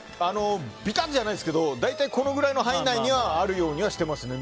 ビタじゃないですけど大体これくらいの範囲内にはあるようにしてますね。